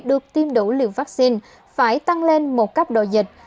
được tiêm đủ liều vaccine phải tăng lên một cấp độ dịch